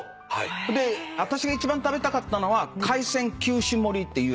で私が一番食べたかったのは海鮮９種盛りっていうやつ。